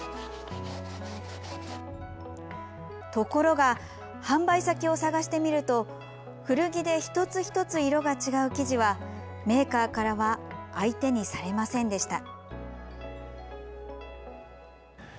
ところが、販売先を探してみると古着で一つ一つ色が違う生地はメーカーからは相手にされませんでした。